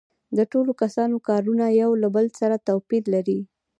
د ټولو کسانو کارونه یو له بل سره توپیر لري